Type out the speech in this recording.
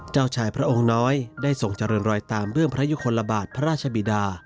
เจ้าชายพระองค์น้อยได้ส่งเจริญรอยตามเบื้องพระยุคลบาทพระราชบิดา